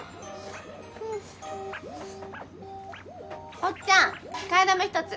おっちゃん替え玉１つ。